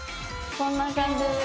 こんな感じです。